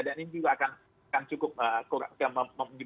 dan ini juga akan cukup terima kasih